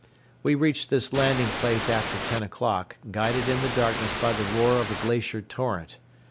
We reached this landing place after ten o'clock, guided in the darkness by the roar of a glacier torrent.